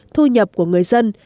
thu nhập của người dân